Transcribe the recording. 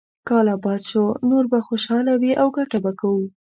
کال اباد شو، نور به خوشاله وي او ګټه به کوو.